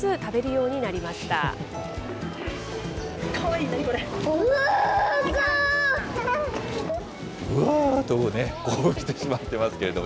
うわーと、呼応してしまってますけれども。